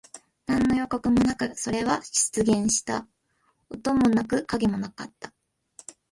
何の予告もなく、それは出現した。音もなく、影もなかった。